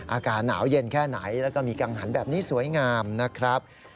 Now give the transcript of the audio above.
อากาศหนาวเย็นแค่ไหนแล้วก็มีกังหันแบบนี้สวยงามนะครับ